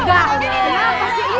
kenapa sih ibu